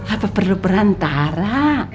apa perlu perantara